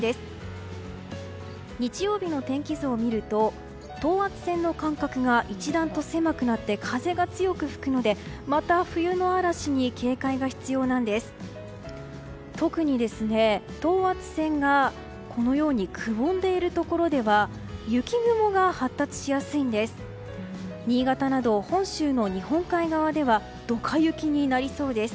特に、等圧線がくぼんでいるところでは雪雲が発達しやすいんです。